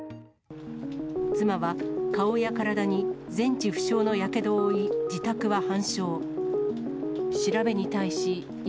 妻は顔や体に全治不詳のやけどを負い、自宅は半焼。